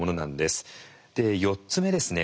で４つ目ですね